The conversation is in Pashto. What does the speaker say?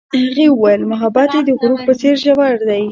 هغې وویل محبت یې د غروب په څېر ژور دی.